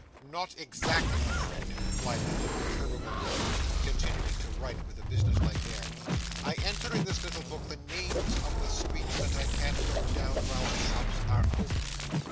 'Not exactly, Fred,' replied the imperturbable Richard, continuing to write with a businesslike air. 'I enter in this little book the names of the streets that I can't go down while the shops are open.